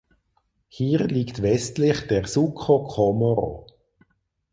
Hier liegt westlich der Suco Comoro.